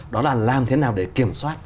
đó là làm thế nào để kiểm soát